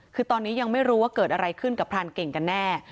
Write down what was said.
คือตอนนี้ยังไม่รู้ว่าเกิดอะไรขึ้นกับพรานเก่งกันแน่